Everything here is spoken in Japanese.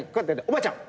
おばあちゃん